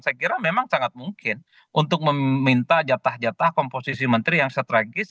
saya kira memang sangat mungkin untuk meminta jatah jatah komposisi menteri yang strategis